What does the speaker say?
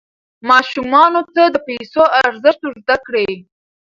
ماشومانو ته د پیسو ارزښت ور زده کړئ.